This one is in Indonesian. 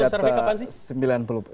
dari data survei kapan sih